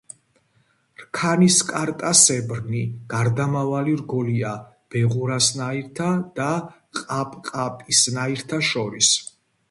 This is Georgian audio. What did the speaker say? რქანისკარტასებრნი გარდამავალი რგოლია ბეღურასნაირთა და ყაპყაპისნაირთა შორის.